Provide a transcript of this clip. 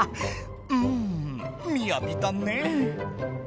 うんみやびだね！